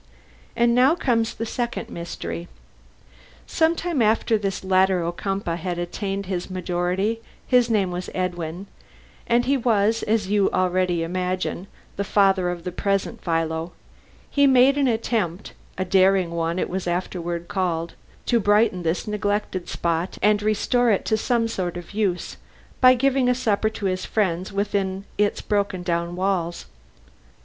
And now comes the second mystery. Sometime after this latter Ocumpaugh had attained his majority his name was Edwin, and he was, as you already imagine, the father of the present Philo he made an attempt a daring one it was afterward called to brighten this neglected spot and restore it to some sort of use, by giving a supper to his friends within its broken down walls.